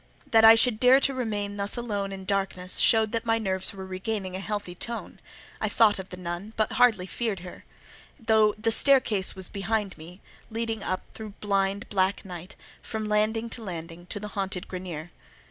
That I should dare to remain thus alone in darkness, showed that my nerves were regaining a healthy tone: I thought of the nun, but hardly feared her; though the staircase was behind me, leading up, through blind, black night, from landing to landing, to the haunted grenier.